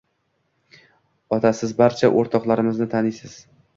Ota siz barcha oʻrtoqlarimni taniysiz.